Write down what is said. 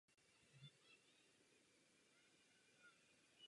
Škola zanikla při rozpadu Nezávislého státu Chorvatsko.